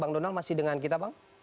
bang donald masih dengan kita bang